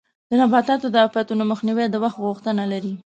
د نباتو د آفتونو مخنیوی د وخت غوښتنه لري.